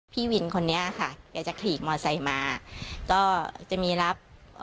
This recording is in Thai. พี่วินคนนี้ค่ะแกจะขี่กมอไซค์มาก็จะมีรับ